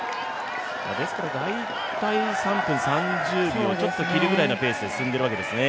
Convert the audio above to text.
ですから、大体３分３０秒ちょっと切るぐらいのタイムで進んでいるわけですね。